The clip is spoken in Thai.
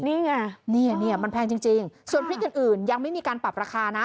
นี่ไงนี่มันแพงจริงส่วนพริกอื่นยังไม่มีการปรับราคานะ